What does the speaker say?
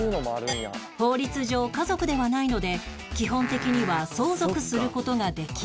法律上家族ではないので基本的には相続する事ができない